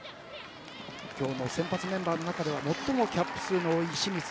今日の先発メンバーの中では最もキャップ数の多い清水。